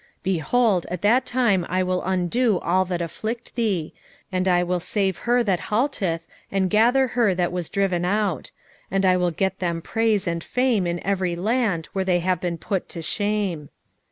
3:19 Behold, at that time I will undo all that afflict thee: and I will save her that halteth, and gather her that was driven out; and I will get them praise and fame in every land where they have been put to shame.